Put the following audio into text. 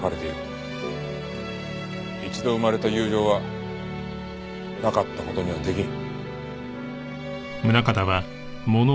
一度生まれた友情はなかった事には出来ん。